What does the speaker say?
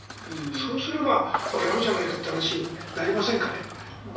そうすれば、やるじゃないかという話になりませんかね。